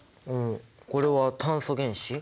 これは炭素原子？